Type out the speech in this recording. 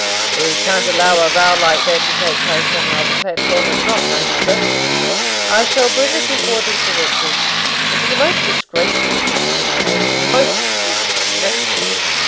"We can't allow a row like that to take place on our platform and not notice it. I shall bring it before the directors. It's a most disgraceful affair, Mr. Eames most disgraceful."